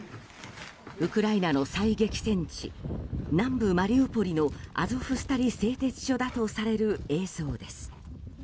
ウクライナの最激戦地南部マリウポリのアゾフスタリ製鉄所だとされる映像です。